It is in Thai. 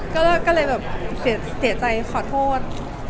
ก็เลยแบบเสียใจขอโทษ